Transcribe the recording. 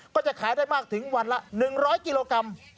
ก็จะขายได้มากถึงวันละ๑๐๐กิโลกรัม